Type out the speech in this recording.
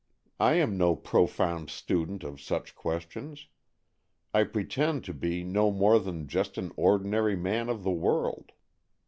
I am no pro found student of such questions. I pretend to be no more than just an ordinary man of the world.